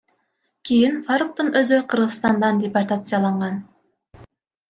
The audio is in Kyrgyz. Кийин Фаруктун өзү Кыргызстандан департацияланган.